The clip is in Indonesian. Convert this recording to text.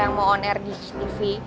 yang mau on air di cctv